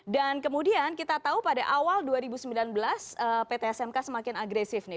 dan kemudian kita tahu pada awal dua ribu sembilan belas pt smk semakin agresif nih